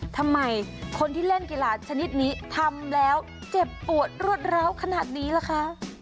ทำไมคนที่เล่นกีฬาชนิดนี้ทำแล้วเจ็บปวดรวดร้าวขนาดนี้ล่ะคะ